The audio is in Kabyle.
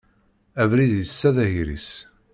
Abrid yessa d agris.